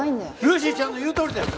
ルーシーちゃんの言うとおりだよ。